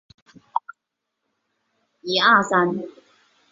月尘可能进入月球车内部并对其设备造成破坏引发故障。